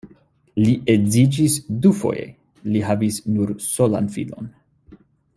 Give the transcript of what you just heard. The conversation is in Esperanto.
Li edziĝis dufoje, li havis nur solan filon.